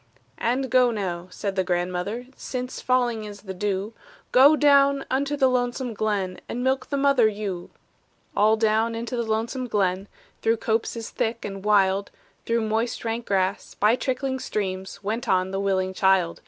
"And go now," said the grandmother, "Since falling is the dew, Go down unto the lonesome glen, And milk the mother ewe!" All down into the lonesome glen, Through copses thick and wild, Through moist rank grass, by trickling streams, Went on the willing child.